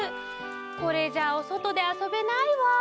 これじゃおそとであそべないわ。